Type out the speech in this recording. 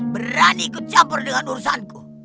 berani ikut campur dengan urusanku